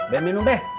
biar minum deh